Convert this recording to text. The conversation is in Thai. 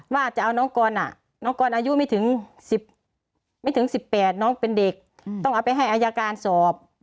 ว่าจะเอาน้องกรน้องกรอายุไม่ถึงไม่ถึง๑๘น้องเป็นเด็กต้องเอาไปให้อายการสอบ